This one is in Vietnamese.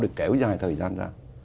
để kéo dài thời gian ra